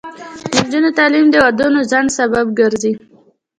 د نجونو تعلیم د ودونو ځنډ سبب ګرځي.